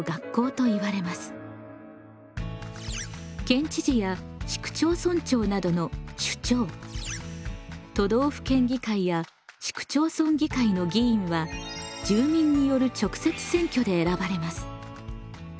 県知事や市区町村長などの首長都道府県議会や市区町村議会の議員は住民による直接選挙で選ばれます。